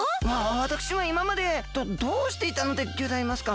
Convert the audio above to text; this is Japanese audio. わたくしはいままでどどうしていたんでギョざいますか？